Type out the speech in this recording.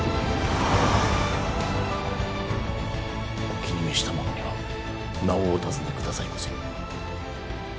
お気に召した者には名をお尋ね下さいませ。